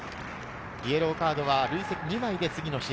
イエローカードは累積２枚で次の試合